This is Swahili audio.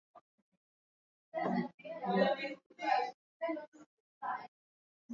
naam naam bwana singoro asante sana naa